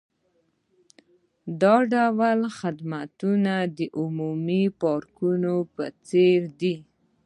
دا ډول خدمتونه د عمومي پارکونو په څیر دي